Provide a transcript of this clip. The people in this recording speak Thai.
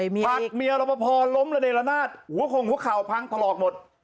ผักเมียรบพอล้มระเด็นระนาดหัวขงหัวข่าวพังพลอกหมด